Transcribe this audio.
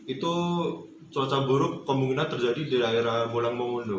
itu cuaca buruk kemungkinan terjadi di daerah bolamongondo